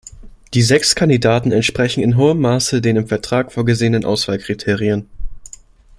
Die sechs Kandidaten entsprechen in hohem Maße den im Vertrag vorgesehenen Auswahlkriterien.